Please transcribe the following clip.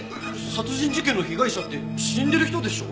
殺人事件の被害者って死んでる人でしょ？